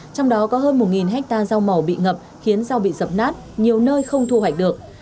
trong đó có hơn một hectare rau màu bị ngập khiến rau bị dập nát nhiều nơi không thu hoạch được